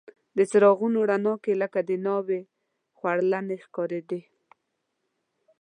د څراغونو رڼا کې لکه د ناوې خورلڼې ښکارېدې.